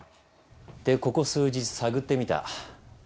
でここ数日探ってみた。